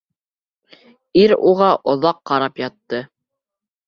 Ир уға оҙаҡ ҡарап ятты.